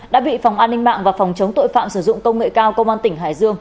đã bị phòng an ninh mạng và phòng chống tội phạm sử dụng công nghệ cao công an tỉnh hải dương